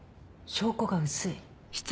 証拠が薄い。